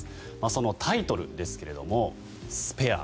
そのタイトルですが「スペア」